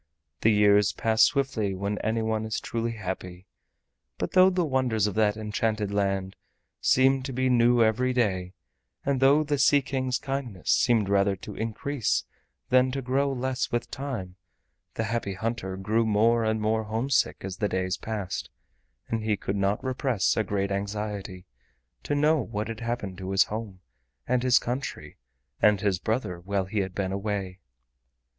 The years pass swiftly when any one is truly happy. But though the wonders of that enchanted land seemed to be new every day, and though the Sea King's kindness seemed rather to increase than to grow less with time, the Happy Hunter grew more and more homesick as the days passed, and he could not repress a great anxiety to know what had happened to his home and his country and his brother while he had been away.